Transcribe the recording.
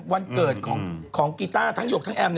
วันเกิดของกีต้าทั้งหยกทั้งแอม